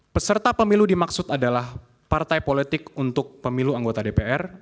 peserta pemilu dimaksud adalah partai politik untuk pemilu anggota dpr